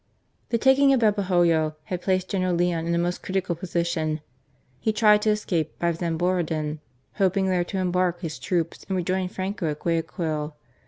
The taking of Babahoyo had placed General Leon in a most critical position. He tried to escape by Zamboroddon, hoping there to embark his troops and rejoin JFranco at Guayaquil.